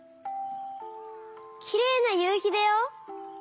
きれいなゆうひだよ！